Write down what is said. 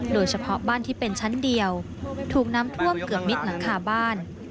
โดยเฉพาะบ้านที่เป็นชั้นเดียวถูกน้ำท่วมเกือบมิดหลังคาบ้าน